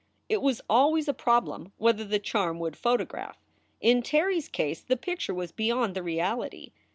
It was always a problem whether the charm would photo graph. In Terry s case the picture was beyond the reality.